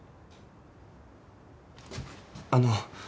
あの。